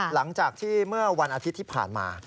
หลังจากที่เมื่อวันอาทิตย์ที่ผ่านมา